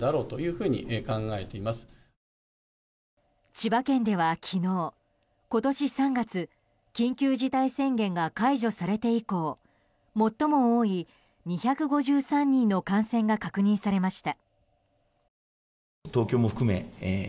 千葉県では昨日、今年３月緊急事態宣言が解除されて以降、最も多い２５３人の感染が確認されました。